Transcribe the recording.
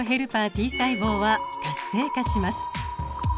Ｔ細胞は活性化します。